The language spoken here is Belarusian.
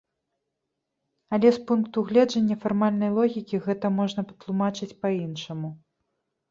Але з пункту гледжання фармальнай логікі гэта можна патлумачыць па-іншаму.